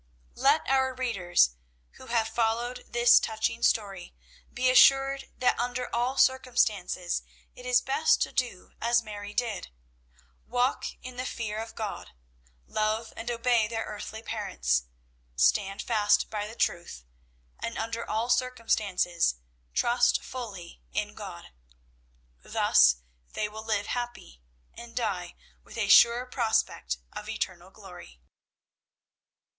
Let our readers who have followed this touching story be assured that under all circumstances it is best to do as Mary did walk in the fear of God, love and obey their earthly parents, stand fast by the truth, and under all circumstances trust fully in God. Thus they will live happy and die with a sure prospect of eternal glory.